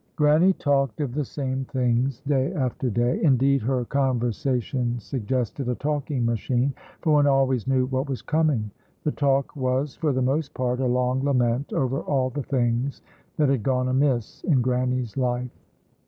Grannie talked of the same things day after day; indeed, her conversation suggested a talking machine, for one always knew what was coming. The talk was for the most part a long lament over all the things that had gone amiss in Grannie's life.